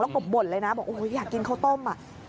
แล้วก็บ่นเลยนะบอกโอ้โหอยากกินข้าวต้ม